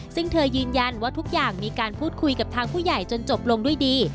ซึ่งเธอยืนยันว่าทุกอย่างมีการพูดคุยกับทางผู้ใหญ่จนจบลงด้วยดี